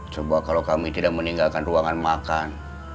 coba kalau kami tidak meninggalkan ruangan makan